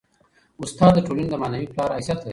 استاد د ټولني د معنوي پلار حیثیت لري.